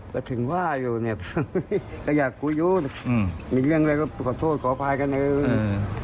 ก็ถึงว่าอยู่เนี่ยก็อยากคุยอยู่มีเรื่องอะไรก็ขอโทษขออภัยกันเอง